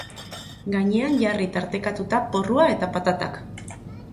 Gainean jarri tartekatuta porrua eta patatak.